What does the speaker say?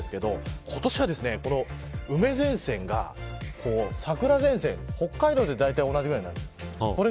今年は、この梅前線が桜前線と北海道でだいたい同じくらいになります。